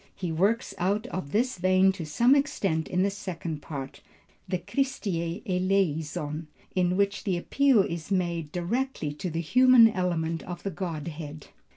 He works out of this vein to some extent in the second part, the Christe eleison, in which the appeal is made directly to the human element of the Godhead.